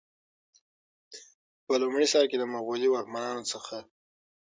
په لومړي سر کي د مغولي واکمنانو څخه.